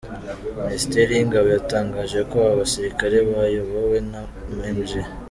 Minisiteri y’ingabo yatangaje ko aba basirikare bayobowe na Maj.